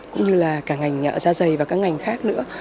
cũng như là cả ngành da dày và các ngành khác nữa